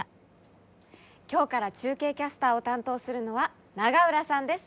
今日から中継キャスターを担当するのは永浦さんです。